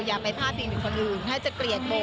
อย่าไปภาพิงคนอื่นถ้าจะเกลียดโบ